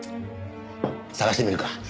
探してみるか。